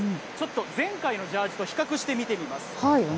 ちょっと前回のジャージと比較してみてみます。